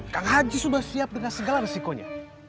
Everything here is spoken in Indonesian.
kang haji sudah siap dengan segala resikonya